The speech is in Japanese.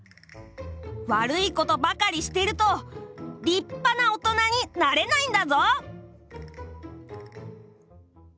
「わるいことばかりしてるとりっぱなおとなになれないんだぞ」